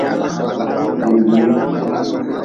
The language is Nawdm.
Dindiin.